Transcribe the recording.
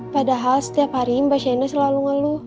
padahal setiap hari mbak shane selalu ngeluh